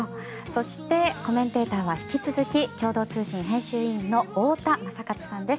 そしてコメンテーターは引き続き共同通信編集委員の太田昌克さんです。